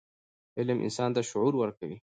علم انسان ته شعور ورکوي.